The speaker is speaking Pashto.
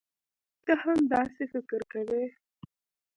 تۀ هم داسې فکر کوې؟